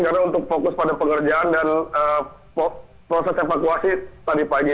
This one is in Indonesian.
karena untuk fokus pada pekerjaan dan proses evakuasi tadi pagi